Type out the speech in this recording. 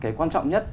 cái quan trọng nhất